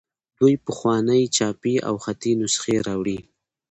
دوی پخوانۍ چاپي او خطي نسخې راوړي.